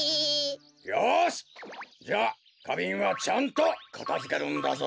よしじゃあかびんはちゃんとかたづけるんだぞ！